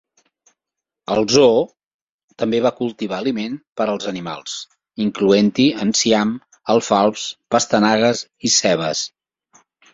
El zoo també va cultivar aliment per als animals, incloent-hi enciam, alfals, pastanagues i cebes.